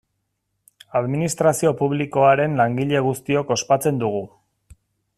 Administrazio publikoaren langile guztiok ospatzen dugu.